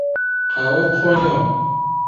قاوە بخۆنەوە.